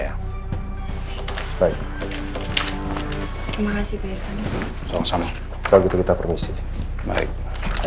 hai baik baik terima kasih banyak banyak langsung kalau gitu kita permisi baik baik